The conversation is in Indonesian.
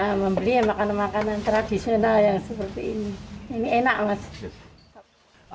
jadi kalau membeli makanan makanan tradisional yang seperti ini ini enak